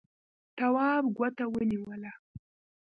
تواب ګوته ونيوله.